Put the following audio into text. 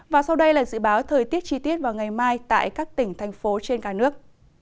và sau đây là dự báo thời tiết chi tiết vào ngày mai tại các tỉnh thành phố trên cả nước